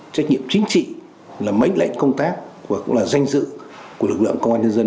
trách nhiệm chính trị là mệnh lệnh công tác và cũng là danh dự của lực lượng công an nhân dân